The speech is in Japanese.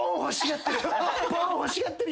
ポォーン欲しがってる。